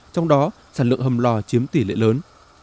trong đó sản lượng hầm lò chiếm tỷ lệ lớn